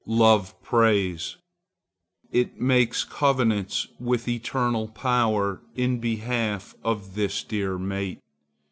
Love prays. It makes covenants with Eternal Power in behalf of this dear mate.